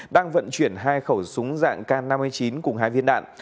đang vận chuyển hai khẩu súng dạng k năm mươi chín cùng hai viên đạn